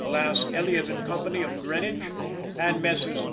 Glass, Elliot & Co., of Greenwich, and Messrs.